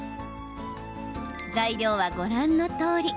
材料は、ご覧のとおり。